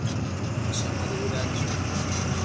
پیشنهاد او رد شد.